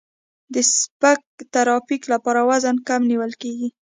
د سپک ترافیک لپاره وزن کم نیول کیږي